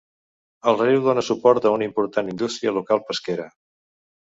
El riu dona suport a una important indústria local pesquera.